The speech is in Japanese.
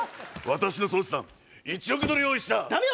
私の総資産１億ドル用意したダメよ